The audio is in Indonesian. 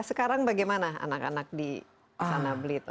sekarang bagaimana anak anak di sanabli